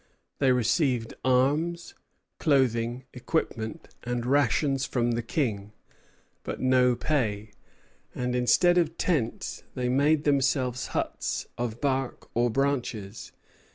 They received arms, clothing, equipment, and rations from the King, but no pay; and instead of tents they made themselves huts of bark or branches.